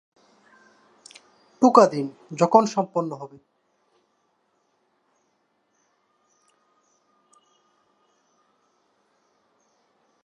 এই কাব্যে অদ্বৈত বেদান্ত দর্শন ব্যাখ্যা করা হয়েছে।